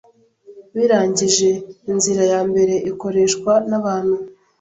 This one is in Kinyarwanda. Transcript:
barangije inzira ya mbere ikoreshwa n'abantu